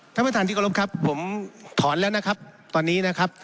ท่านประธานที่กรบครับผมถอนแล้วนะครับตอนนี้นะครับ